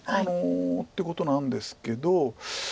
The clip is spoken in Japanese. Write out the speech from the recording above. ってことなんですけど。